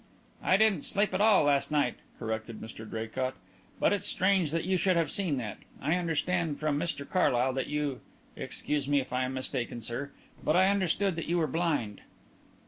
"I didn't sleep at all last night," corrected Mr Draycott. "But it's strange that you should have seen that. I understood from Mr Carlyle that you excuse me if I am mistaken, sir but I understood that you were blind."